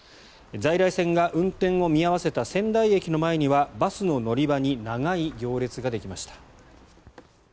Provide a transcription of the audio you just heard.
在来線が運転を見合わせた仙台駅の前にはバスの乗り場に長い行列ができました。